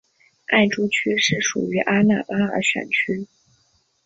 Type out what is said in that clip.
艾珠区是属于阿纳巴尔选区。